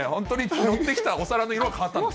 載ってきたお皿の色、変わったんです。